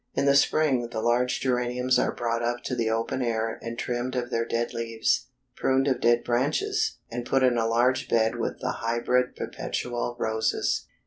In the spring the large geraniums are brought up to the open air and trimmed of their dead leaves, pruned of dead branches, and put in a large bed with the Hybrid Perpetual Roses.